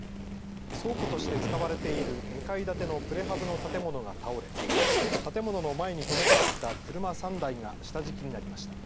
倉庫として使われている２階建てのプレハブの建物が倒れ建物の前に止めてあった車３台が下敷きになりました。